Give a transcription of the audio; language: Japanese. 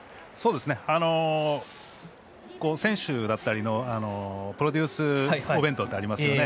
選手だったりのプロデュースお弁当ってありますよね。